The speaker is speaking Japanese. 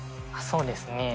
そうですね。